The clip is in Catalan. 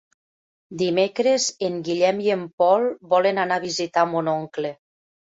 Dimecres en Guillem i en Pol volen anar a visitar mon oncle.